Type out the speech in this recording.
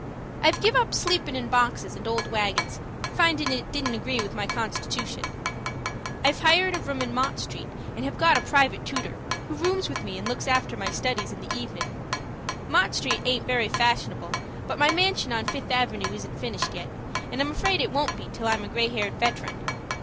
"I've give up sleepin' in boxes, and old wagons, findin' it didn't agree with my constitution. I've hired a room in Mott Street, and have got a private tooter, who rooms with me and looks after my studies in the evenin'. Mott Street aint very fashionable; but my manshun on Fifth Avenoo isn't finished yet, and I'm afraid it won't be till I'm a gray haired veteran.